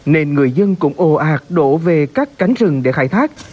nên người dân cũng ồ ạt đổ về các cánh rừng để khai thác